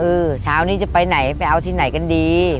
เช้านี้จะไปไหนไปเอาที่ไหนกันดี